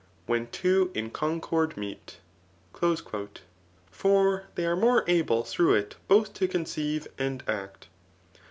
When two in concord meet. * For they are more able through it both to concdve and act.